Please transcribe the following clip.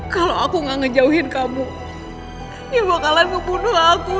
kalau aku nggak ngejauhin kamu dia bakalan membunuh aku